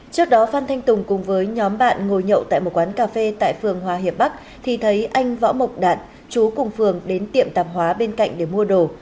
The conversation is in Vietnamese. trước đó phan thanh tùng cùng với nhóm bạn ngồi nhậu tại một quán cà phê tại phường hòa hiệp bắc thì thấy anh võ mộc đạn chú cùng phường đến tiệm tạp hóa bên cạnh để mua đồ